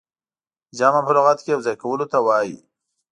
جمع په لغت کښي يو ځاى کولو ته وايي.